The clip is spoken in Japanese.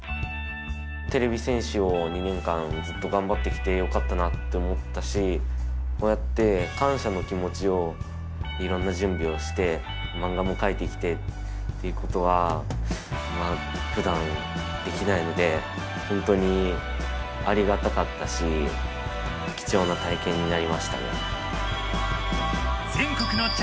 てれび戦士を２年間ずっとがんばってきてよかったなって思ったしこうやって感謝の気持ちをいろんなじゅんびをしてマンガもかいてきてっていうことはふだんできないのでほんとにありがたかったしきちょうなたいけんになりましたね。